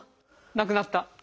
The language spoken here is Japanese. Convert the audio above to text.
なくなった？